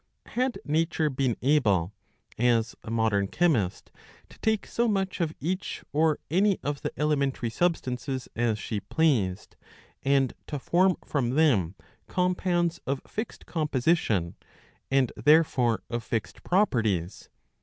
^ Had Nature been able, as a modern chemist, to take so much of each or any of the elementary substances as she pleased, and to form from them compounds of fixed composition, and therefore of fixed properties, her ' Phys.